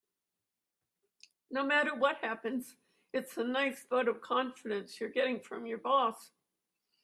No matter what happens, it's a nice vote of confidence you're getting from your boss.